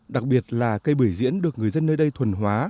đặc biệt là cây bưởi diễn được người dân nơi đây thuần hóa